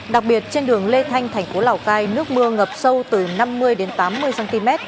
đặc biệt trên đường lê thanh thành phố lào cai nước mưa ngập sâu từ năm mươi đến tám mươi cm